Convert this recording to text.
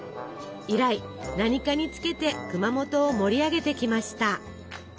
以来何かにつけて熊本を盛り上げてきました。